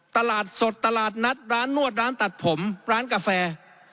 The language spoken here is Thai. ตลาดสดตลาดนัดร้านนวดร้านตัดผมร้านกาแฟ